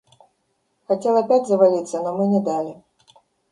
Хотел опять завалиться, но мы не дали.